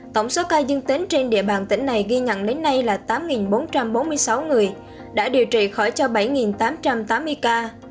tổng số ca dương tính trên địa bàn tỉnh này ghi nhận đến nay là tám bốn trăm bốn mươi sáu người đã điều trị khỏi cho bảy tám trăm tám mươi ca